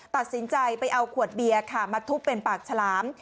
ตัดสินใจไปเอาขวดเบียร์ค่ะมาทุบเป็นปากฉลาม